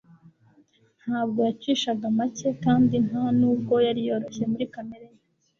ntabwo yacishaga make, kandi nta nubwo yari yoroshye muri kamere ye.